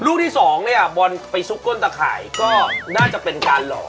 ลูกที่สองเนี่ยบอลไปซุกก้นตะข่ายก็น่าจะเป็นการหลอก